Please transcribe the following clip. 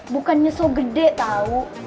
bukannya so gede tau